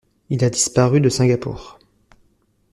Il a disparu de Singapour.